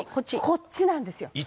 こっちなんですよ。